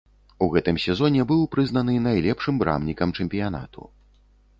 У гэтым сезоне быў прызнаны найлепшым брамнікам чэмпіянату.